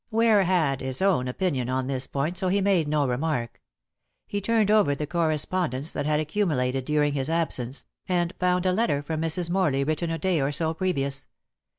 Ware had his own opinion on this point, so made no remark. He turned over the correspondence that had accumulated during his absence, and found a letter from Mrs. Morley written a day or so previous.